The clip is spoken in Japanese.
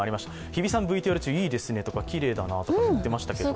日比さん、ＶＴＲ中、いいですねとかきれいだなとか言ってましたけど。